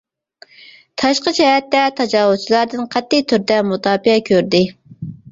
تاشقى جەھەتتە تاجاۋۇزچىلاردىن قەتئىي تۈردە مۇداپىئە كۆردى.